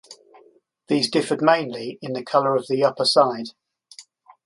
These differed mainly in the colour of the upper side.